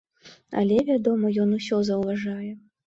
Але, вядома, ён усё заўважае.